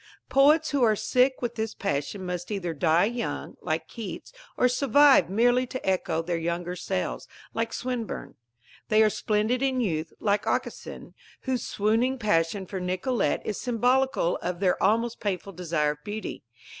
Poets who are sick with this passion must either die young, like Keats, or survive merely to echo their younger selves, like Swinburne. They are splendid in youth, like Aucassin, whose swooning passion for Nicolette is symbolical of their almost painful desire of beauty.